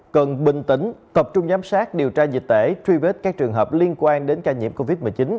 cần bình tĩnh tập trung giám sát điều tra dịch tễ truy vết các trường hợp liên quan đến ca nhiễm covid một mươi chín